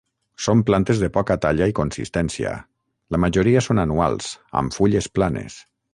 Són plantes de poca talla i consistència, la majoria són anuals, amb fulles planes.